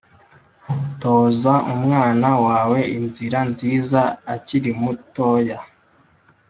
toza umwana wawe inzira nziza akiri mutoya